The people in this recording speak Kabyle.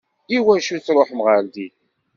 I wacu i tṛuḥem ɣer din?